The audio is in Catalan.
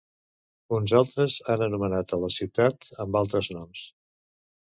Uns altres han anomenat a la ciutat amb altres noms.